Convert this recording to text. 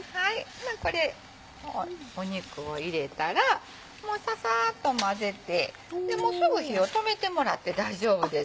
これ肉を入れたらササっと混ぜてもうすぐ火を止めてもらって大丈夫です。